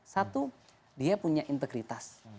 satu dia punya integritas